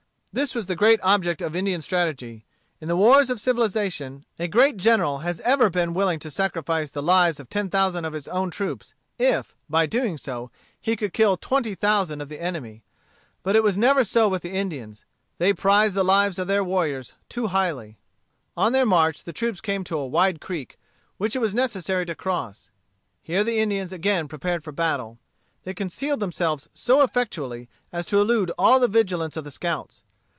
This was the great object of Indian strategy. In the wars of civilization, a great general has ever been willing to sacrifice the lives of ten thousand of his own troops if, by so doing, he could kill twenty thousand of the enemy. But it was never so with the Indians. They prized the lives of their warriors too highly. On their march the troops came to a wide creek, which it was necessary to cross. Here the Indians again prepared for battle. They concealed themselves so effectually as to elude all the vigilance of the scouts.